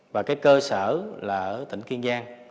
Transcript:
và cơ sở là ở tỉnh kiên giang